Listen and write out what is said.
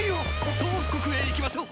トウフ国へ行きましょう。